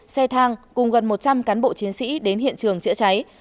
xe thang cùng gần một trăm linh cán bộ chiến sĩ đến hiện trường chữa cháy